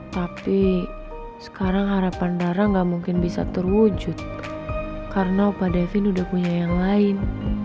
tapi sekarang harapan dara nggak mungkin bisa terwujud karena pak david udah punya yang lain